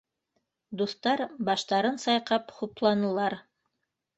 Дуҫтар баштарын сайҡап хупланылар: